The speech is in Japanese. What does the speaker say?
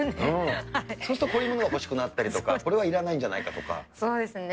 そうするとこういうものが欲しくなったりとか、これはいらないんそうですね。